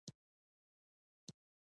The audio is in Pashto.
افغانستان له کندهار ولایت څخه ډک هیواد دی.